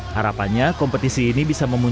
harapannya kompetisi ini bisa memulai